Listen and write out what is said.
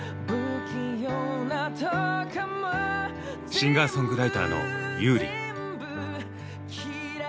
シンガーソングライターの優里。